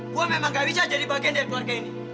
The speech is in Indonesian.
gue memang gak bisa jadi bagian dari keluarga ini